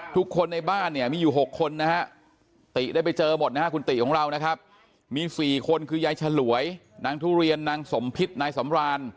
ทุกคนในบ้านเนี่ยมีอยู่๖คนนะฮะติได้ไปเจอหมดนะฮะคุณติของเรานะครับมี๔คนคือยายฉลวยนางทุเรียนนางสมพิษนายสำราน